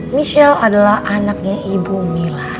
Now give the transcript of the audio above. ini shell adalah anaknya ibu mila